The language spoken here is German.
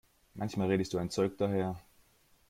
Manchmal redest du ein Zeug daher!